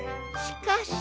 しかし？